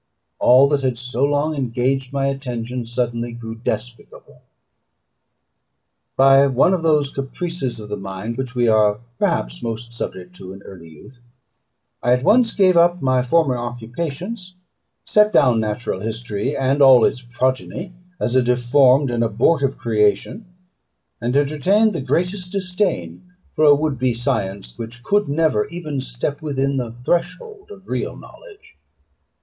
All that had so long engaged my attention suddenly grew despicable. By one of those caprices of the mind, which we are perhaps most subject to in early youth, I at once gave up my former occupations; set down natural history and all its progeny as a deformed and abortive creation; and entertained the greatest disdain for a would be science, which could never even step within the threshold of real knowledge.